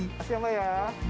masih sama ya